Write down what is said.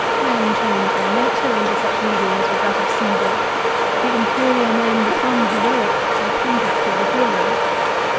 Men change their nature under such leading as was that of Caesar. The inferior men become heroic by contact with the hero.